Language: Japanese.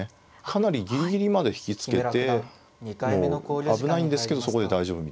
かなりギリギリまで引き付けてもう危ないんですけどそこで大丈夫みたいな。